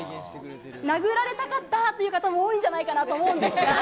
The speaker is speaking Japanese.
殴られたかったという方も多いんじゃないかなと思うんですが。